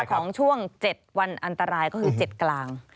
ของช่วง๗วันอันตรายก็คือ๗กลาง